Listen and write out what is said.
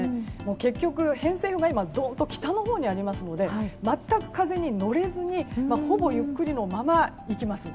結局、偏西風が北のほうにありますので全く風に乗れずにほぼゆっくりのまま行きます。